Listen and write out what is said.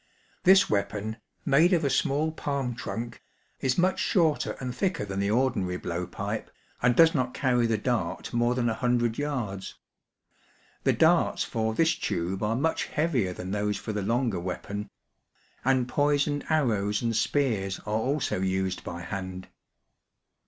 This weapon, made of a small palm tnmk, is much shorter and thicker than the ordinary blow pipe, and does not carry the dart more than a hundred yards. The darts for this tube are much heavier than those for the longer weapon ; and poisoned arrows and spears are also used by hand.